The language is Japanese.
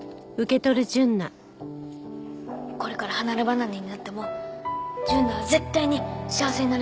これから離ればなれになっても純奈は絶対に幸せになれるからな。